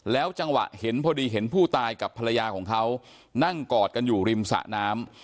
จังหวะเห็นพอดีเห็นผู้ตายกับภรรยาของเขานั่งกอดกันอยู่ริมสะน้ำ